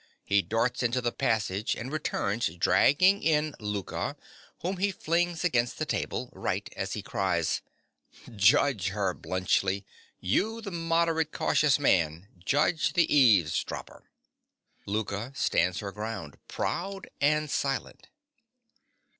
He darts into the passage, and returns dragging in Louka, whom he flings against the table, R., as he cries_) Judge her, Bluntschli—you, the moderate, cautious man: judge the eavesdropper. (_Louka stands her ground, proud and silent.